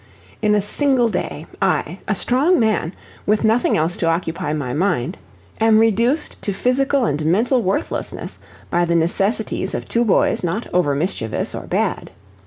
In a single day, I, a strong man, with nothing else to occupy my mind, am reduced to physical and mental worthlessness by the necessities of two boys not overmischievous or bad.